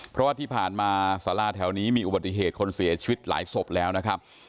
เพราะว่าที่ผ่านมาสาราแถวนี้มีอุบัติเหตุคนเสียชีวิตหลายศพแล้วนะครับ